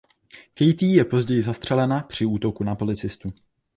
Katie je později zastřelena při útoku na policistu.